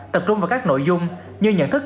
tập trung vào các nội dung như nhận thức